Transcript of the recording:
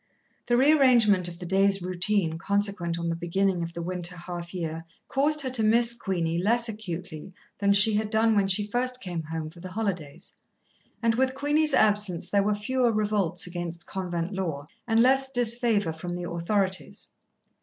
The re arrangement of the day's routine consequent on the beginning of the winter half year caused her to miss Queenie less acutely than she had done when she first came home for the holidays, and with Queenie's absence there were fewer revolts against convent law, and less disfavour from the authorities.